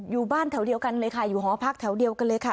อยู่บ้านแถวเดียวกันเลยค่ะอยู่หอพักแถวเดียวกันเลยค่ะ